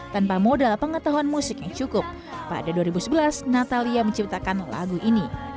tanpa modal pengetahuan musik yang cukup pada dua ribu sebelas natalia menciptakan lagu ini